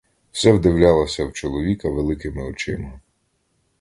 Все вдивлялася в чоловіка великими очима.